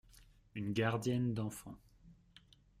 Une gardienne d’enfants.